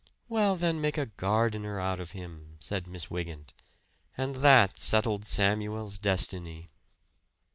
"Well, then, make a gardener out of him," said Miss Wygant; and that settled Samuel's destiny.